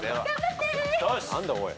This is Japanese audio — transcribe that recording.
何だおい。